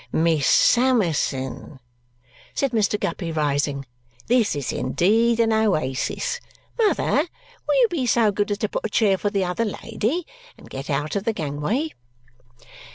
"Miss Summerson," said Mr. Guppy, rising, "this is indeed an oasis. Mother, will you be so good as to put a chair for the other lady and get out of the gangway."